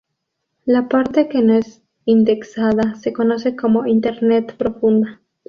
La parte que no es indexada se conoce como Internet profunda.